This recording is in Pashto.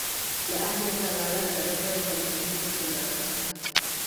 له اهل ضلالت سره ګډ برخلیک نه شو لرلای.